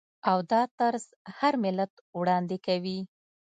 او دا طرز هر ملت وړاندې کوي.